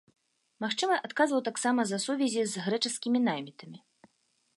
Магчыма, адказваў таксама за сувязі з грэчаскімі наймітамі.